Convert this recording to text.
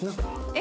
え！